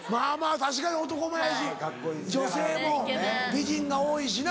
確かに男前やし女性も美人が多いしな。